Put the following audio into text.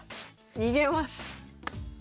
逃げます。